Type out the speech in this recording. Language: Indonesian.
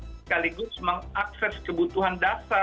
sekaligus mengakses kebutuhan dasar